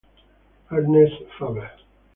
Ernest Faber